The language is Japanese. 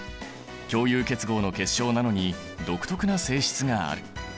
共有結合の結晶なのに独特な性質がある。